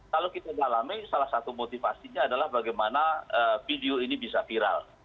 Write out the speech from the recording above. kalau kita dalami salah satu motivasinya adalah bagaimana video ini bisa viral